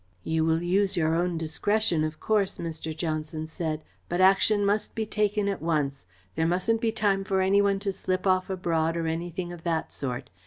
"You will use your own discretion, of course," Mr. Johnson said, "but action must be taken at once. There mustn't be time for any one to slip off abroad, or anything of that sort.